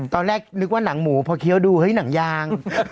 ตอนแรกนึกว่าหนังหมูพอเคี้ยวดูเฮ้ยหนังยาง